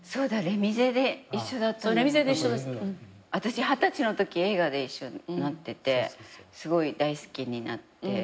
私二十歳のとき映画で一緒になっててすごい大好きになって。